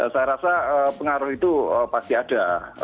saya rasa pengaruh itu pasti ada